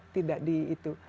tidak di itu